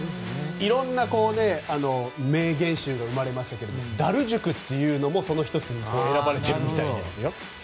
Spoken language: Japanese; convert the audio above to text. いろいろな名言集も生まれましたけどダル塾っていうのもその１つに選ばれているみたいですよ。